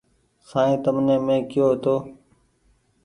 سائين تمني مينٚ ڪيو تو